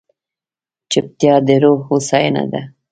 چپتیا، د روح هوساینه ده.